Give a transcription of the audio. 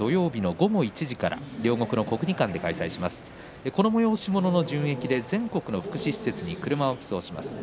この催し物の純益で全国の福祉施設に車を寄贈します。